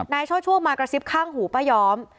ช่อช่วงมากระซิบข้างหูป้าย้อม